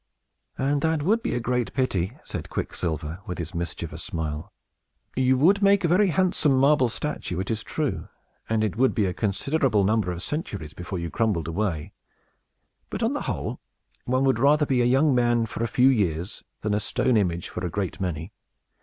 "And that would be a great pity," said Quicksilver, with his mischievous smile. "You would make a very handsome marble statue, it is true, and it would be a considerable number of centuries before you crumbled away; but, on the whole, one would rather be a young man for a few years than a stone image for a great many."